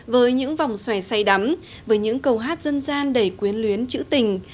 với những vòng xòe say đắm với những câu hát dân gian đầy quyến luyến chữ tình